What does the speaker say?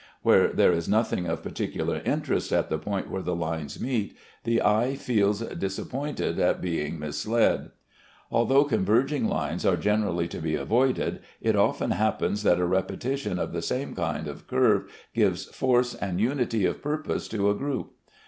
Where there is nothing of particular interest at the point where the lines meet, the eye feels disappointed at being misled. Although converging lines are generally to be avoided, it often happens that a repetition of the same kind of curve gives force and unity of purpose to a group.